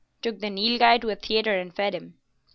"Took the Nilghai to a theatre and fed him."